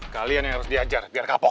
kalian yang harus diajar biar kapal